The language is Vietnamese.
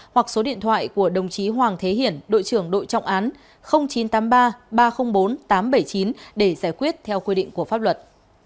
hoặc số điện thoại của đồng chí hoàng thế hiển đội trưởng đội trọng án chín trăm tám mươi ba ba trăm linh bốn tám trăm bảy mươi chín để giải quyết theo quy định của pháp luật